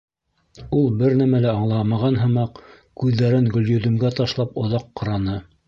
Ул, бер нәмә лә аңламаған һымаҡ, күҙҙәрен Гөлйөҙөмгә ташлап, оҙаҡ ҡараны.